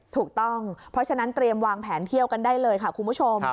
ถูกต้องเพราะฉะนั้นเตรียมวางแผนเที่ยวกันได้เลยค่ะคุณผู้ชม